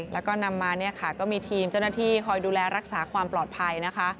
แล้วก็นำมาเนี่ยค่ะก็มีทีมเจ้าหน้าที่คอยดูแลรักษาความปลอดภัยนะคะ